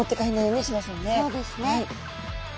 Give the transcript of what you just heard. そうですね。